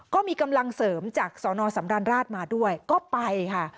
ก็มีกำลังเสริมจากสนสำราญราชมาด้วยก็ไปค่ะ